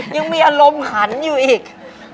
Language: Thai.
ยังมีอารมณ์หันอยู่อีก